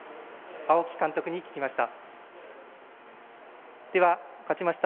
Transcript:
青木監督に聞きました。